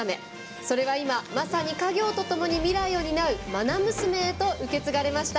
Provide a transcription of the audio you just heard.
それは今、まさに家業とともに未来を担うまな娘へと受け継がれました。